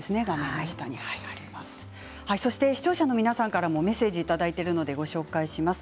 視聴者の皆さんからもメッセージをいただいています。